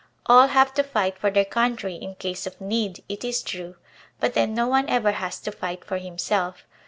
All have to fight for their country in case of need, it is true; but then no one ever has to fight for himself.